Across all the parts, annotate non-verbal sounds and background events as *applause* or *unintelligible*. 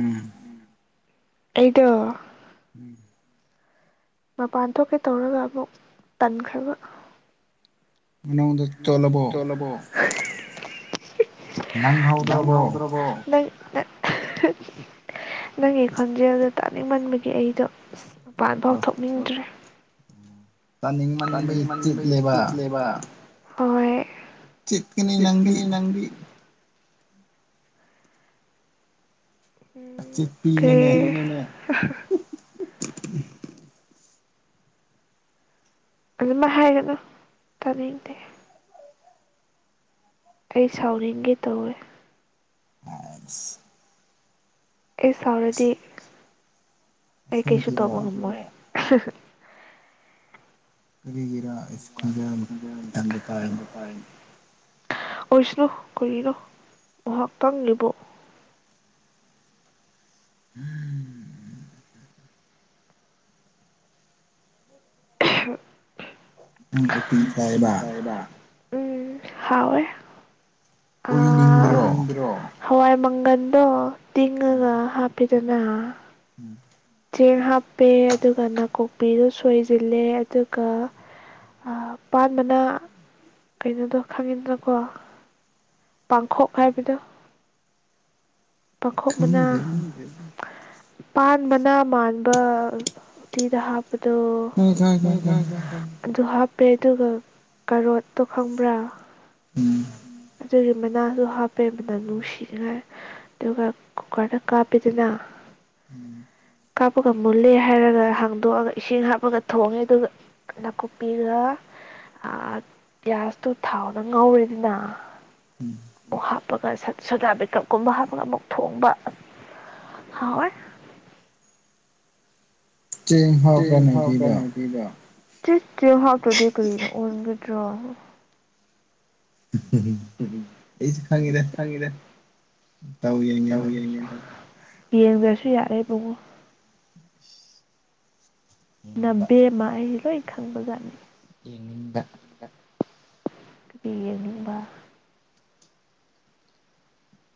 ꯎꯝ ꯑꯩꯗꯣ ꯎꯝ ꯃꯄꯥꯟ ꯊꯣꯛꯀꯦ ꯇꯧꯔꯒ ꯑꯃꯨꯛ ꯇꯟꯈ꯭ꯔꯕ ꯅꯑꯣꯟꯗ ꯇꯣꯜꯂꯕꯣ ꯍꯩ ꯍꯤ ꯅꯪꯍꯎꯗ꯭ꯔꯕꯣ ꯅ ꯅꯪꯒꯤ ꯈꯣꯟꯖꯦꯜꯗ ꯇꯥꯅꯤꯡꯃꯟꯕꯒꯤ ꯑꯩꯗꯣ ꯑ ꯃꯄꯥꯟ ꯐꯥꯎ ꯊꯣꯛꯅꯤꯡꯗ꯭ꯔꯦ ꯇꯥꯅꯤꯡꯃꯟꯕꯒꯤ ꯇꯤꯠꯂꯦꯕ ꯍꯣꯏ ꯆꯠꯀꯅꯤ ꯅꯪꯗꯤ ꯑꯆꯤꯠ ꯄꯤꯅꯅꯦ ꯑꯗꯨꯃꯥꯏ ꯍꯥꯏꯒꯅꯣ ꯇꯥꯅꯤꯡꯗꯦ ꯑꯩ ꯁꯥꯎꯔꯤꯒꯦ ꯇꯧꯌꯦ *unintelligible* ꯑꯩ ꯁꯥꯎꯔꯗꯤ ꯑꯩ ꯀꯩꯁꯨ ꯇꯧꯕ ꯉꯝꯃꯣꯢ ꯍꯍꯝ ꯀꯔꯤꯒꯤꯔꯥ ꯁꯀꯨꯜꯗ ꯇꯝꯕ ꯇꯥꯏ ꯑꯣꯏꯁꯅꯣ ꯀꯩꯅꯣ ꯃꯍꯥꯛꯇꯪ ꯂꯩꯕꯣ *unintelligible* *unintelligible* ꯅꯪ ꯎꯇꯤ ꯆꯥꯏꯕ ꯎꯝ ꯍꯥꯎꯌꯦ ꯎꯏꯅꯤꯡꯗ꯭ꯔꯣ ꯍꯋꯥꯏ ꯃꯪꯒꯜꯗꯣ ꯇꯤꯡꯉꯒ ꯍꯥꯄꯤ ꯑꯗꯨꯅ ꯎꯝ ꯆꯦꯡ ꯍꯥꯞꯄꯦ ꯑꯗꯨꯒ ꯅꯥꯀꯣꯛꯄꯤꯗꯣ ꯁꯣꯏꯁꯤꯜꯂꯦ ꯑꯗꯨꯒ ꯄꯥꯟꯃꯅꯥ ꯀꯩꯅꯣꯗꯣ ꯈꯪꯉꯤꯗꯅꯀꯣ ꯄꯥꯡꯈꯣꯛ ꯍꯥꯏꯕꯗꯣ ꯄꯈꯣꯛ ꯃꯅꯥ ꯄꯥꯟꯃꯅꯥ ꯃꯥꯟꯕ ꯎꯇꯤꯗ ꯍꯥꯞ ꯑꯗꯨ ꯑꯗꯨ ꯍꯥꯞ *inaudible* ꯎꯝ ꯑꯗꯨꯒꯤ ꯃꯅꯥꯁꯨ ꯍꯥꯞꯄꯦꯕ ꯃꯅꯝ ꯅꯨꯡꯁꯤꯅꯤꯡꯉꯥꯏ ꯑꯗꯨꯒ ꯀꯨꯀꯔꯗ ꯀꯥꯞꯄꯤꯗꯅ ꯀꯥꯞꯄꯒ ꯃꯨꯜꯂꯦ ꯍꯥꯏꯔꯒ ꯍꯥꯡꯗꯣꯛꯑꯒ ꯏꯁꯤꯡ ꯍꯥꯞꯄꯒ ꯊꯣꯡꯉꯦ ꯑꯗꯨꯒ ꯅꯥꯀꯨꯞꯄꯤꯒ ꯒ꯭ꯌꯥꯁꯇꯨ ꯊꯥꯎꯅ ꯉꯧꯔꯦꯗꯅ ꯑꯃꯨꯛ ꯍꯥꯞꯄꯒ ꯁꯠ ꯁꯣꯗꯥꯕꯥꯏꯀꯞ ꯀꯨꯝꯕ ꯍꯥꯞ ꯑꯃꯨꯛ ꯊꯣꯡꯕ ꯆꯦꯡ ꯍꯥꯞꯄ ꯆꯠ ꯆꯦꯡ ꯍꯥꯐꯇꯔꯗꯤ ꯀꯔꯤꯅ ꯑꯣꯟꯒꯗ꯭ꯔꯣ ꯌꯦꯡꯗꯔꯁꯨ ꯌꯥꯔꯦ ꯏꯕꯨꯡꯑꯣ ꯅꯕꯦꯝꯃ ꯑꯩ ꯂꯣꯏ ꯈꯪꯕꯖꯥꯠꯅꯤ ꯌꯦꯡꯅꯤꯡꯕ ꯀꯔꯤ ꯌꯦꯡꯅꯤꯡꯕ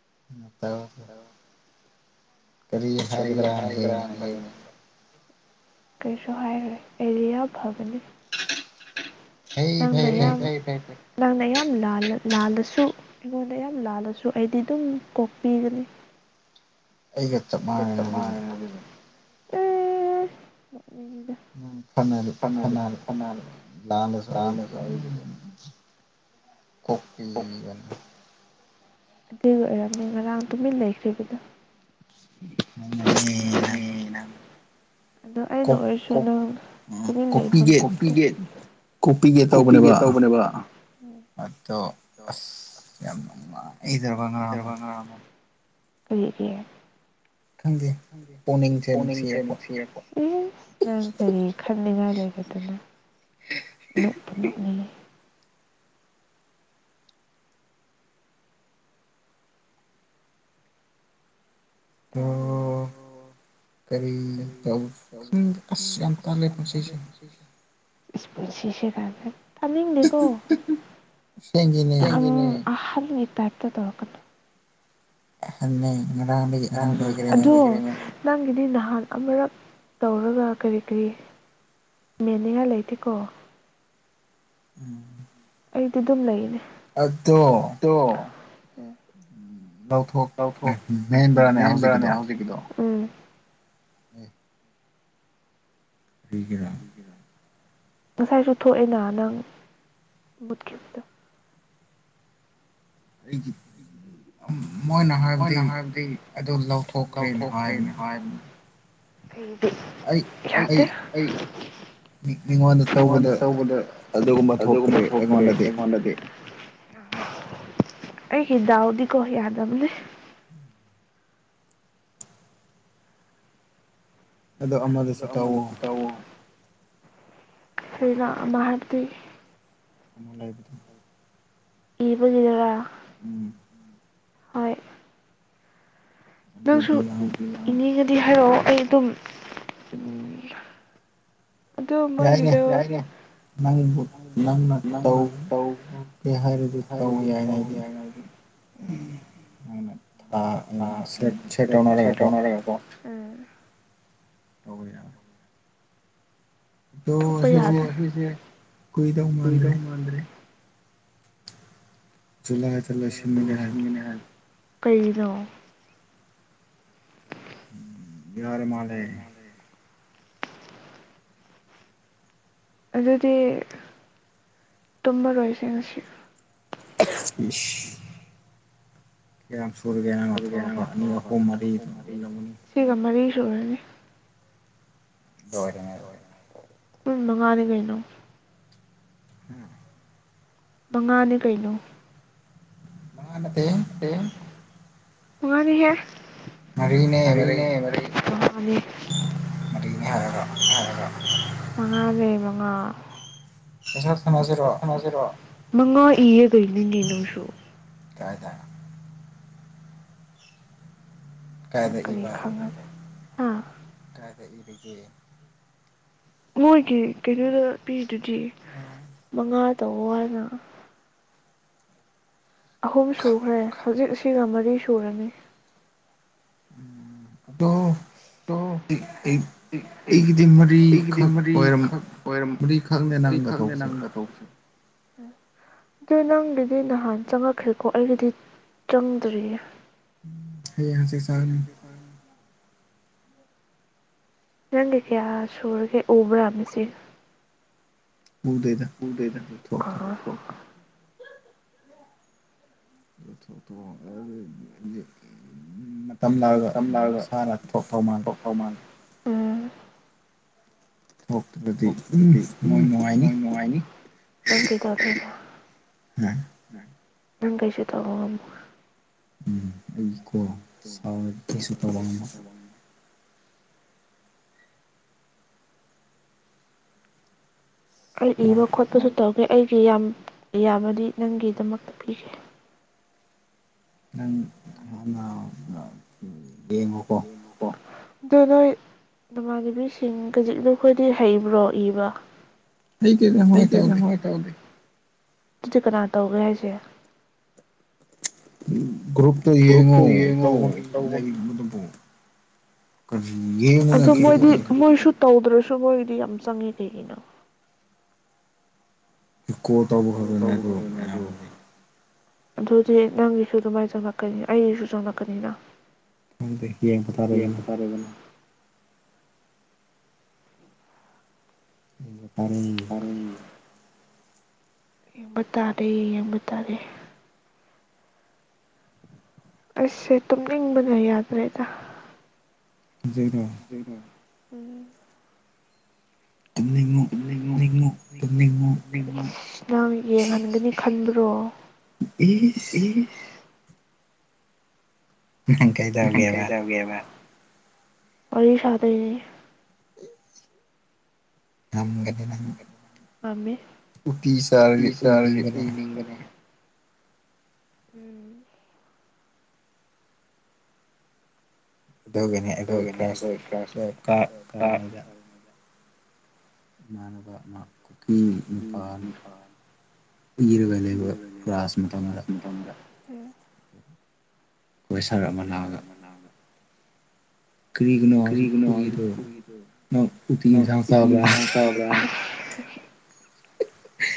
*inaudible* *inaudible* ꯀꯔꯤ ꯍꯥꯏꯒꯗ꯭ꯔꯥꯅ ꯌꯦꯡꯅꯤꯡꯕ ꯀꯩꯁꯨ ꯍꯥꯏꯌꯨꯅꯦ ꯑꯩꯗꯤ ꯌꯥꯝ ꯐꯕꯅꯤ *inaudible* ꯅꯪꯅ ꯌꯥꯝ ꯂꯥꯜꯂ ꯂꯥꯜꯂꯁꯨ ꯑꯩꯉꯣꯟꯗ ꯌꯥꯝ ꯂꯥꯜꯂꯁꯨ ꯑꯩꯗꯤ ꯑꯗꯨꯝ ꯀꯣꯛꯄꯤꯒꯅꯤ *unintelligible* *unintelligible* ꯀꯣꯛꯄꯤꯕꯅꯦ ꯑꯗꯨ ꯑꯣꯏꯔꯝꯃꯦ ꯉꯔꯥꯡ ꯇꯨꯃꯤꯟ ꯂꯩꯈ꯭ꯔꯤꯕꯗꯣ ꯅꯪꯅꯅꯦ ꯅꯪꯅꯅꯦ ꯑꯗꯣ ꯑꯩꯅ ꯑꯣꯏꯔꯁꯨ ꯑꯗꯨꯝ ꯇꯧꯃꯤꯟ ꯂꯩꯐꯝ ꯀꯣꯛꯄꯤꯒꯦ ꯀꯣꯛꯄꯤꯒꯦ ꯇꯧꯕꯅꯦꯕ ꯑꯁ ꯌꯥꯝ ꯅꯨꯡꯉꯥ *inaudible* ꯀꯔꯤ ꯒꯤ ꯈꯡꯗꯦ ꯄꯣꯛꯅꯤꯡꯁꯦ ꯅꯨꯡꯁꯤꯔꯛꯄ ꯑꯩꯁ ꯅꯡ ꯀꯔꯤ ꯈ ꯈꯟꯅꯤꯉꯥꯏ ꯂꯩꯔꯗꯥꯅꯥ ꯅꯣꯛꯄꯨ ꯅꯣꯛꯅꯤꯡꯉꯦ ꯂꯣ ꯀꯔꯤ ꯇꯧ ꯈꯪꯗꯦ ꯑꯁ ꯌꯥꯝ ꯇꯥꯜꯂꯦ ꯄꯨꯟꯁꯤꯁꯦ ꯏꯁ꯭ ꯄꯨꯟꯁꯤꯁꯦ ꯀꯥꯏꯅꯥ ꯇꯥꯅꯤꯡꯗꯦꯀꯣ *inaudible* ꯇꯥꯏꯄꯇꯣ ꯇꯧꯔꯛꯀꯅꯣ ꯑꯗꯨ ꯅꯡꯒꯤꯗꯤ ꯅꯍꯥꯟ ꯑꯃꯔꯛ ꯇꯧꯔꯒ ꯀꯔꯤ ꯀꯔꯤ ꯃꯦꯅꯤꯡꯉꯥꯏ ꯂꯩꯇꯦꯀꯣ ꯑꯩꯗꯤ ꯑꯗꯨꯝ ꯂꯩꯑꯅꯦ ꯑꯗꯣ ꯑ ꯂꯧꯊꯣꯛ ꯃꯦꯟꯕ꯭ꯔꯥꯅꯦ ꯍꯧꯖꯤꯛꯀꯤꯗꯣ ꯎꯝ ꯑ ꯀꯔꯤꯒꯤꯔꯥ ꯉꯥꯁꯥꯏꯁꯨ ꯊꯣꯛꯑꯅꯥ ꯅꯡ ꯃꯨꯠꯈꯤꯕꯗꯥ ꯑꯩꯒꯤ ꯃꯣꯏꯅ ꯍꯥꯏꯕꯗꯤ ꯑꯗꯨ ꯂꯧꯊꯣꯛꯈ꯭ꯔꯦꯅ ꯍꯥꯏꯕꯅꯤ ꯀꯩꯒꯤ ꯑꯩ ꯑꯩ ꯃꯤꯉꯣꯟꯗ ꯇꯧꯕꯗ ꯑꯗꯨꯒꯨꯝꯕ ꯊꯣꯛꯇ꯭ꯔꯦ ꯑꯩꯉꯣꯟꯗꯗꯤ *inaudible* ꯑꯩꯒꯤ ꯗꯥꯎ ꯗꯤꯀꯣ ꯌꯥꯗꯕꯅꯦ ꯑꯗꯣ ꯑꯃꯗꯁꯨ ꯇꯧꯑꯣ ꯀꯔꯤꯔꯥ ꯑꯃꯥ ꯍꯥꯏꯕꯗꯤ ꯑꯃ ꯂꯩꯕꯗꯣ ꯏꯕꯒꯤꯗꯨꯔꯥ ꯎꯝ ꯍꯣꯏ ꯅꯡꯁꯨ ꯑꯦꯅꯤꯡꯉꯤ ꯗꯤ ꯍꯥꯏꯔꯛꯑꯣ ꯑꯩ ꯑꯗꯨꯝ ꯌꯥꯏꯅꯦ ꯅꯪꯕꯨ ꯅꯪꯅ ꯇꯧ ꯇꯧꯒꯦ ꯍꯥꯏꯔꯗꯤ ꯇꯧ ꯌꯥꯏꯅꯦ ꯑꯩꯗꯤ ꯅꯪꯅ ꯊꯥ ꯑꯣꯏꯅꯥ ꯁꯦꯠ ꯁꯦꯠ ꯇꯧꯅꯔꯒ ꯀꯣ ꯇꯧꯕꯥ ꯌꯥꯏ ꯊꯣꯛꯄ ꯌꯥꯗ ꯗꯣ ꯑꯁꯤꯁꯦ ꯀꯨꯏꯗꯧꯃꯥꯟꯗ꯭ꯔꯦ ꯖꯨꯂꯥꯏꯗ ꯂꯣꯏꯁꯤꯟꯒꯅꯦ ꯍꯥꯏꯕ ꯀꯩꯩꯒꯤꯅꯣ ꯌꯥꯔꯦ ꯃꯥꯂꯦ ꯑꯗꯨꯗꯤ ꯇꯨꯝꯃꯔꯣꯏꯁꯦ ꯉꯁꯤ ꯏꯁ ꯁꯤꯒ ꯃꯔꯤ *unintelligible* *unintelligible* ꯃꯉꯥꯅꯤ ꯅꯪ *unintelligible* ꯃꯉꯥꯅꯦ ꯀꯩꯅꯣ ꯃꯥꯉꯥ ꯅꯠꯇꯦ ꯃꯉꯥꯅꯦꯍꯦ ꯃꯔꯤꯅꯦ ꯃꯔꯤ ꯃꯉꯥꯅꯦ ꯃꯔꯤꯅꯦ ꯍꯥꯏꯔꯒ ꯃꯉꯥꯅꯦ ꯃꯉꯥ ꯉꯥ *unintelligible* *unintelligible* ꯃꯪꯉꯥ ꯏꯌꯦ ꯀꯩꯅꯣꯅꯦ ꯅꯪꯁꯨ ꯀꯥꯏꯗ *unintelligible* ꯀꯩ ꯏꯔꯒꯦ ꯃꯣꯏꯖꯦ ꯀꯩꯅꯣꯗ ꯄꯤ ꯑꯗꯨꯗꯤ ꯃꯉꯥ ꯇꯧꯑꯣ ꯍꯥꯏꯅ ꯑꯍꯨꯝ ꯁꯨꯈ꯭ꯔꯦ ꯍꯧꯖꯤꯛ ꯁꯤꯒ ꯃꯔꯤ ꯁꯨꯔꯅꯤ ꯑꯗꯣ ꯑꯩ ꯑꯩ ꯑꯩꯒꯤꯗꯤ ꯃꯔꯤꯈꯛ ꯑꯣꯏꯔꯝ ꯃꯔꯤꯈꯛꯅꯦ ꯅꯪꯒ ꯊꯧꯕꯁꯦ ꯑꯗꯨ ꯅꯪꯒꯤꯗꯤ ꯅꯍꯥꯟ ꯆꯪꯉꯛꯈ꯭ꯔꯦꯀꯣ ꯑꯩꯒꯤꯗꯤ ꯆꯪꯗꯔꯤꯌꯦ ꯍꯌꯥꯡ ꯍꯪꯆꯤꯠ ꯆꯪꯉꯛꯅꯤ *unintelligible* ꯎꯗꯦꯗ ꯑꯗꯨ ꯊꯣꯛꯇꯦ *unintelligible* ꯇꯝꯂꯛꯑꯒ ꯃꯁꯥꯅ ꯊꯣꯛ ꯇꯧ ꯃꯥꯜꯂꯦ *inaudible* ꯅꯪ ꯀꯩꯁꯨ ꯇꯧꯕ ꯉꯝꯃꯣꯏ ꯎꯝ ꯑꯩꯖꯨꯀꯣ ꯁꯥꯎꯔꯗꯤꯀꯩꯁꯨꯝ ꯇꯧꯉꯝꯃꯣꯏ ꯑꯩ ꯏꯕ ꯈꯣꯠꯄꯁꯨ ꯇꯧꯒꯦ ꯑꯩꯒꯤ ꯌꯥꯝ ꯌꯥꯝꯃꯗꯤ ꯅꯪꯒꯤꯗꯃꯛꯇ ꯄꯤꯒꯦ ꯅꯪ *unintelligible* ꯌꯦꯉꯄꯣ ꯑꯗꯨ ꯅꯣꯏ ꯅꯃꯥꯟꯅꯕꯤꯁꯤꯡ ꯀꯖꯤꯛ ꯅꯈꯣꯏꯗꯤ ꯍꯩꯕ꯭ꯔꯣ ꯏꯕ ꯍꯩꯇꯦꯗ ꯍꯣꯢ ꯊꯧꯒꯦ ꯇꯨꯗꯤ ꯀꯅꯥ ꯇꯧꯒꯦꯁꯦ ꯒ꯭ꯔꯨꯞꯇꯣ ꯌꯦꯡꯉꯣ ꯇꯧꯕ ꯃꯤ ꯂꯩꯕꯗꯨꯕꯨ ꯀ ꯑꯗꯣ ꯃꯣꯏꯗꯤ ꯃꯣꯏꯁꯨ ꯇꯧꯗ꯭ꯔꯣꯁꯨ ꯁꯃꯣꯏꯗꯤ ꯌꯥꯝ ꯆꯣꯉꯦ ꯀ ꯩꯒꯤꯅꯣ ꯏꯀꯣ ꯇꯧꯕꯅꯤꯅ ꯅꯦ ꯃꯌꯥꯝꯗꯤ ꯑꯗꯨꯗꯤ ꯅꯪꯒꯤꯁꯨ ꯑꯗꯨꯃꯥꯏꯅ ꯆꯪꯂꯪꯛꯀꯅꯤ ꯑꯩꯒꯤꯁꯨ ꯆꯪꯂꯪꯂꯛꯀꯅꯤꯅ ꯈꯪꯗꯦ ꯌꯦꯡꯕ ꯇꯥꯔꯦꯗꯅ ꯎꯝ ꯍꯨꯡ ꯌꯦꯕ ꯇꯥꯔꯦ ꯌꯦꯕ ꯇꯥꯔꯦ ꯑꯩꯁꯦ ꯇꯨꯝꯅꯤꯡꯕꯅꯥ ꯌꯥꯗꯔꯦꯗ *unintelligible* ꯎꯝ ꯇꯨꯝꯅꯤꯡꯉꯨ ꯇꯨꯝꯅꯤꯡꯉꯨ ꯇꯨꯝꯅꯤꯡꯉꯨ ꯅꯪ ꯌꯦꯡꯍꯟꯒꯅꯤ ꯈꯟꯕ ꯇꯣ ꯏꯁ ꯀꯩꯗꯧꯒꯦꯕꯔ ꯋꯔꯤ ꯁꯥꯗꯣꯏꯅꯤ ꯄꯥꯝꯃꯦ ꯎꯇꯤ ꯆꯥꯔꯗꯤ ꯎꯢꯅꯡꯕꯅꯦ ꯎꯝ ꯇꯧꯒꯅꯦ ꯑꯩꯈꯣꯏ ꯀ꯭ꯂꯥꯁ ꯇꯨꯌꯦꯟꯕ ꯀ ꯀꯥꯔꯤꯉꯩꯗ ꯏꯃꯥꯅꯕ ꯑꯃ ꯏ ꯅꯤꯄꯥꯟ ꯏꯔꯒꯅꯦꯕ ꯀ꯭ꯂꯥꯁ ꯃꯇꯝꯗ ꯎꯝ ꯑꯩꯈꯣꯏ ꯁꯥꯔ ꯑꯃ ꯂꯥꯛꯑꯒ ꯀ꯭ꯔꯤꯒꯤꯅꯣ ꯍꯧꯖꯤꯛ ꯎꯏꯔꯤꯗꯣ ꯅꯪ ꯎꯇꯤꯒꯤ ꯏꯟꯁꯥꯡ ꯆꯥꯕ꯭ꯔꯥ ꯍꯍꯍ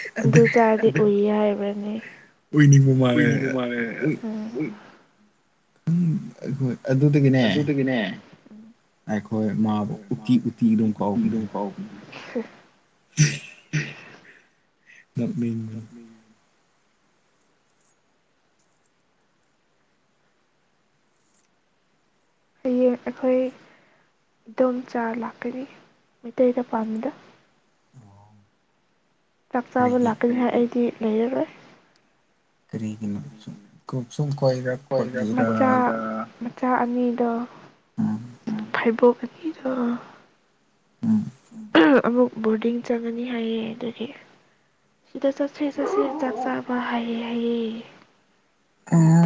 ꯍꯦꯛ ꯑꯗꯨ ꯆꯥꯔꯗꯤ ꯎꯏꯌꯦ ꯍꯥꯏꯕꯅꯦ ꯎꯏꯅꯤꯕ ꯃꯥꯜꯂꯦ ꯎ ꯑꯩꯈꯣꯏ ꯑꯗꯨꯗꯒꯤꯅꯦ ꯎꯝ ꯑꯩꯈꯣꯏ ꯃꯥꯕꯨ ꯎꯇꯤ ꯎꯇꯤ ꯑꯗꯨꯝ ꯀꯥꯎꯕꯅꯦ ꯍꯍ *inaudible* *unintelligible* ꯍꯌꯦꯡ ꯑꯩꯈꯣꯏ ꯏꯗꯣꯝꯆꯥ ꯂꯥꯛꯀꯅꯤ ꯃꯩꯇꯩꯗ ꯄꯥꯟꯕꯥꯗꯣ ꯆꯥꯛ ꯆꯥꯕ ꯂꯥꯛꯀꯅꯤ ꯍꯥꯏ ꯑꯩꯗꯤ ꯂꯩꯔꯔꯣꯏ ꯁꯨꯝ ꯀꯣꯏꯔꯛꯄꯒꯤꯔꯥ ꯃꯆꯥ ꯃꯠ ꯆꯥ ꯑꯅꯤꯗꯣ ꯎꯝ ꯐꯥꯏꯕꯣꯛ ꯑꯅꯤꯗꯣ ꯑ ꯑꯃꯨꯛ ꯕꯣꯔꯗꯤꯡ ꯆꯪꯉꯅꯤ ꯍꯥꯏꯌꯦ ꯑꯗꯨꯒꯤ ꯁꯤꯗ ꯆꯠꯁꯦ ꯆꯠꯁꯦ ꯆꯥꯛ ꯆꯥꯕ ꯍꯥꯏꯌꯦ ꯍꯥꯏꯑꯦ *unintelligible*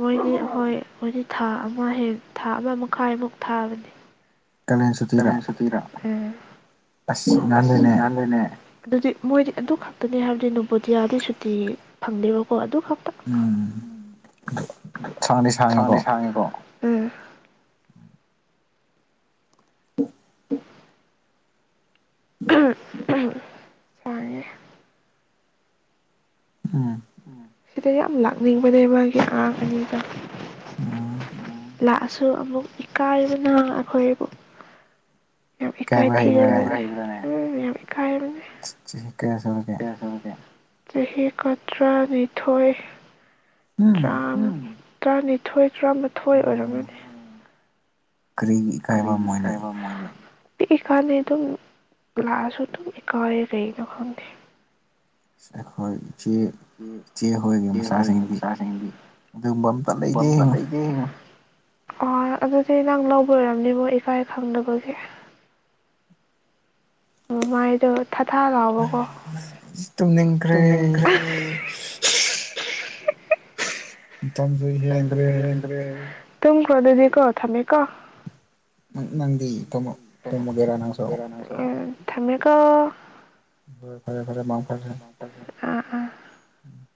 ꯍꯣꯏ ꯃꯣꯏꯗꯤ ꯊꯥ ꯑꯃ ꯍꯦꯟ ꯊꯥ ꯑꯃ ꯃꯈꯥꯏꯃꯨꯛ ꯊꯥꯕꯅꯦ ꯀꯥꯂꯦꯟ ꯁꯨꯇꯤꯔꯥ ꯎꯝ ꯑꯁ ꯅꯥꯜꯂꯦꯅꯦ ꯑꯗꯨꯗꯤ ꯃꯣꯏꯗꯤ ꯑꯗꯨ ꯈꯛꯇꯅꯦ ꯍꯥꯏꯕꯗꯤ ꯅꯣꯕꯣꯗꯤꯌꯥꯗꯤ ꯁꯨꯇꯤ ꯐꯪꯗꯦꯕꯀꯣ ꯑꯗꯨ ꯎꯝ ꯑꯗꯨ ꯁꯥꯡꯗꯤ ꯁꯥꯡꯉꯦꯀꯣ ꯎꯝ *inaudible* *inaudible* ꯎꯝ ꯁꯥꯡꯉꯦ ꯎꯝ ꯁꯤꯗ ꯌꯥꯝ ꯂꯥꯛꯅꯤꯡꯕꯅꯦ ꯃꯥꯒꯤ ꯑꯉꯥꯡ ꯑꯅꯤꯗꯣ ꯂꯥꯛꯑꯁꯨ ꯑꯃꯨꯛ ꯏꯀꯥꯏꯕꯅ ꯑꯩꯈꯣꯏꯕꯨ ꯌꯥꯝ ꯏꯀꯥꯏ ꯊꯤ ꯏꯀꯥꯏꯕ ꯍꯩꯕ꯭ꯔꯥꯅꯦ ꯑꯗꯨꯝ ꯌꯥꯝ ꯏꯀꯥꯏꯕꯅꯦ ꯁꯤꯠ ꯆꯍꯤ ꯀꯌꯥ ꯁꯨꯔꯒꯦ ꯆꯍꯤ ꯀꯨꯟꯊ꯭ꯔꯥꯅꯤꯊꯣꯏ ꯎꯝ ꯇꯔꯥꯅꯤꯊꯣꯏ ꯇꯔꯥꯃꯥꯊꯣꯏ ꯑꯣꯏꯔꯝꯒꯅꯤ ꯀꯔꯤꯒꯤ ꯏꯀꯥꯏꯕ ꯃꯣꯢꯗꯤ ꯏꯕꯥꯅꯤꯗꯨ ꯂꯥꯛꯑꯁꯨ ꯑꯗꯨꯝ ꯏꯀꯥꯏꯌꯦ ꯀꯩꯒꯤꯅꯣ ꯈꯪꯗꯦ ꯑ *inaudible* ꯑꯩꯈꯣꯏ ꯏꯆꯦ ꯏꯆꯦ ꯍꯣꯏꯒꯤ ꯃꯆꯥꯁꯤꯡꯗꯤ ꯑꯗꯨꯝꯕ ꯑꯝꯇ ꯂꯩꯇꯦ ꯑ ꯑꯗꯨꯗꯤ ꯅꯪ ꯂꯧꯕ ꯑꯣꯏꯔꯝꯅꯤꯕꯣ ꯏꯀꯥꯏ ꯈꯪꯗꯕꯒꯤ ꯑꯣ ꯃꯥꯏꯗꯣ ꯊꯥ ꯊꯥ ꯂꯥꯎꯕꯀꯣ ꯇꯨꯝꯅꯤꯡꯈ꯭ꯔꯦ ꯇꯝꯁꯨ ꯍꯦꯟꯒ꯭ꯔꯦ ꯇꯨꯝꯈ꯭ꯔꯣ ꯑꯗꯨꯗꯤ ꯀꯣ ꯊꯝꯃꯦꯀꯣ ꯅꯪꯗꯤ ꯇꯨꯃ ꯇꯨꯃꯒꯦꯔꯥ ꯅꯪꯁꯨ ꯊꯝꯃꯦꯀꯣ ꯍꯣꯏ ꯐꯔꯦ ꯐꯔꯦ ꯃꯪ ꯐꯔꯁꯦ ꯑꯥ ꯑꯥ ꯎꯝ